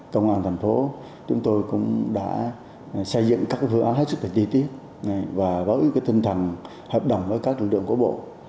chúng tôi cũng đã xây dựng các phương án rất là chi tiết và với tinh thần hợp đồng với các lực lượng của bộ